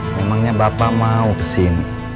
memangnya bapak mau kesini